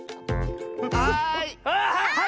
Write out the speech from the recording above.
はい！